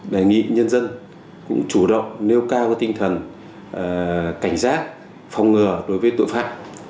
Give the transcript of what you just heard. đề nghị nhân dân cũng chủ động nêu cao tinh thần cảnh giác phòng ngừa đối với tội phạm